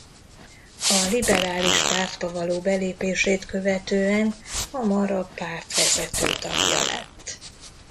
A Liberális Pártba való belépését követően hamar a párt vezető tagja lett.